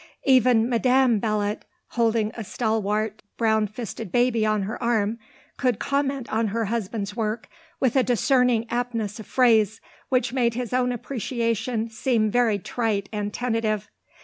Even Madame Belot, holding a stalwart, brown fisted baby on her arm, could comment on her husband's work with a discerning aptness of phrase which made his own appreciation seem very trite and tentative.